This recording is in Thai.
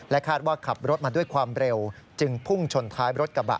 คาดว่าขับรถมาด้วยความเร็วจึงพุ่งชนท้ายรถกระบะ